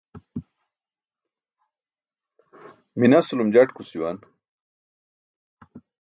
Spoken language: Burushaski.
Minasulum jatkus juwan.